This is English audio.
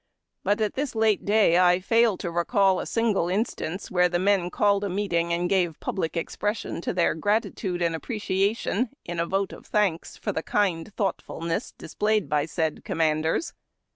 But at this late day I fail to recall a single instance where the men called a meeting and gave public expression to their gratitude and appreciation in a vote of thanks for the kind thoughtfulness displayed by said commanders.